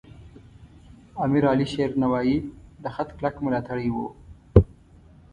امیر علیشیر نوایی د خط کلک ملاتړی و.